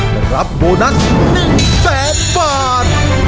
จะรับโบนัส๑แสนบาท